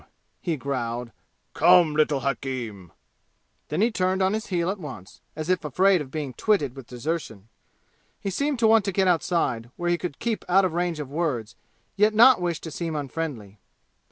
he growled. "Come, little hakim!" Then he turned on his heel at once, as if afraid of being twitted with desertion. He seemed to want to get outside, where he could keep out of range of words, yet not to wish to seem unfriendly.